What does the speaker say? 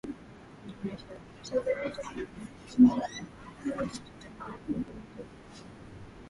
Inaonyesha hakuna shaka yoyote kwamba wananchi wamejiandaa kufanya chochote kinachohitajika ili kurejesha utu wao